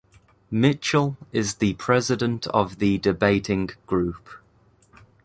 Mitchell is the President of the Debating Group.